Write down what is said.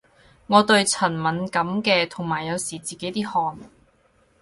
我對塵敏感嘅，同埋有時自己啲汗